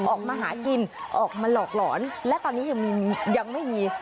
ออกมาหากินออกมาหลอกหลอนและตอนนี้ยังไม่มี